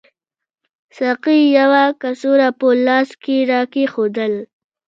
ساقي یوه کڅوړه په لاس کې راکېښودل.